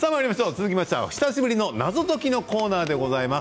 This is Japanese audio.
続きましては久しぶりの謎解きのコーナーでございます。